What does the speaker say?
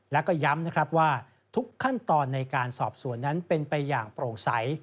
แล้วก็ย้ำนะครับว่าทุกขั้นตอนในการสอบสวนนั้นเป็นไปอย่างโปร่งใส